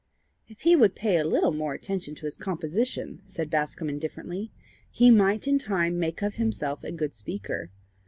"If he would pay a little more attention to his composition," said Bascombe indifferently, "he might in time make of himself a good speaker.